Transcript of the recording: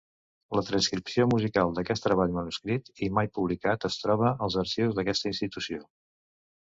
La transcripció musical d'aquest treball manuscrit i mai publicat es troba als arxius d'aquesta institució.